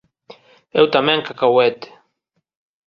Eu tamén, Cacahuete.